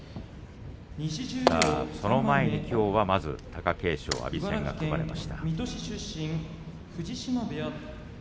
その前にきょうは貴景勝、阿炎戦が組まれています。